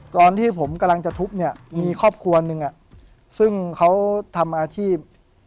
ตอนที่ผมกำลังจะทุบเนี่ยมีครอบครัวหนึ่งซึ่งเขาทำอาชีพ